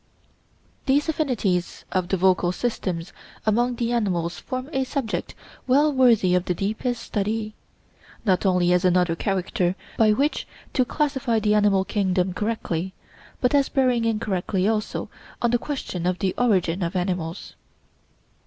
These affinities of the vocal systems among the animals form a subject well worthy of the deepest study, not only as another character by which to classify the animal kingdom correctly, but as bearing indirectly also on the question of the origin of animals.